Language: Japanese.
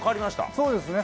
そうですね。